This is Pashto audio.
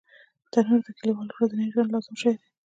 تنور د کلیوالو ورځني ژوند لازم شی دی